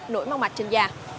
nổi mong mạch trên da